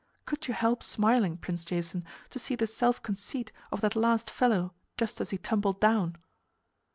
Could you help smiling, Prince Jason, to see the self conceit of that last fellow, just as he tumbled down?"